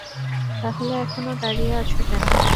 তাহলে এখনো দাঁড়িয়ে আছ কেন?